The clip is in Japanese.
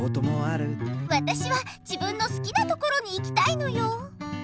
わたしは自分の好きなところに行きたいのよ。